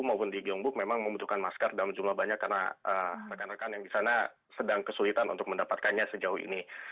maupun di gyembook memang membutuhkan masker dalam jumlah banyak karena rekan rekan yang di sana sedang kesulitan untuk mendapatkannya sejauh ini